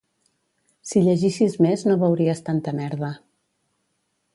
Si llegissis més no veuries tanta merda